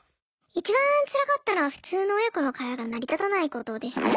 一番つらかったのは普通の親子の会話が成り立たないことでしたね。